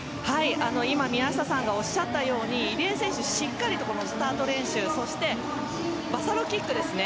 今、宮下さんがおっしゃったように入江選手、しっかりスタート練習そしてバサロキックですね。